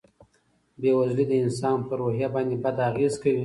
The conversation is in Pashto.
بېوزلي د انسان په روحیه باندې بد اغېز کوي.